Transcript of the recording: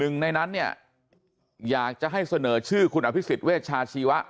หนึ่งในนั้นเนี่ยอยากจะให้เสนอชื่อคุณอภิษฎเวชาชีวะ